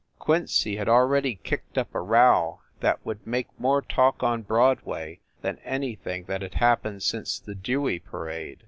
Quincy had already kicked up a row that would make more talk on Broadway than anything that had happened since the Dewey parade.